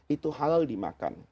itu halal dimakan